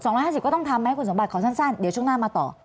อันส่อง๒๕๐ก็ต้องทำไม่ครับคุณสมบัติขอสั้นเดี๋ยวช่วงหน้ามาต่อ